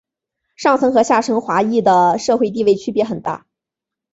上层和下层华裔的社会地位区别很大。